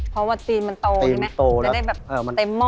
เพราะวัคซีนมันโตใช่ไหมจะได้แบบเต็มหม้อ